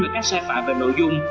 về các sai phạm về nội dung